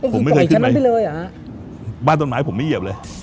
ผมไม่เคยขึ้นไปบ้านต้นไม้ผมไม่เหยียบเลย